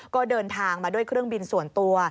ก็เดินทางมาด้วยเครื่องบินส่วนตัว